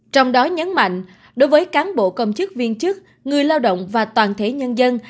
trong đó nhấn mạnh đối với cán bộ công chức viên chức người lao động và toàn thể nhân dân